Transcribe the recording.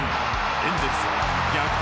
エンゼルス逆転